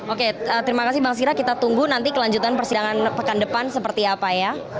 oke terima kasih bang sira kita tunggu nanti kelanjutan persidangan pekan depan seperti apa ya